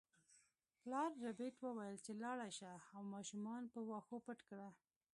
پلار ربیټ وویل چې لاړه شه او ماشومان په واښو پټ کړه